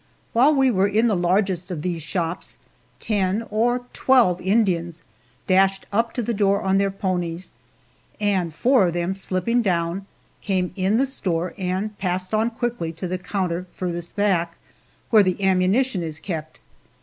While we were in the largest of these shops, ten or twelve Indians dashed up to the door on their ponies, and four of them, slipping down, came in the store and passed on quickly to the counter farthest back, where the ammunition is kept.